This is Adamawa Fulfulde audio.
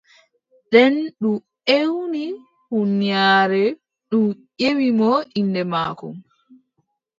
Nden ndu ewni huunyaare ndu ƴemi mo innde maako.